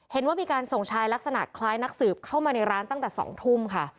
เห็นว่ามีการส่งชายลักษณะคล้ายนักสืบเข้ามาในร้านตั้งแต่๒ทุ่มค่ะ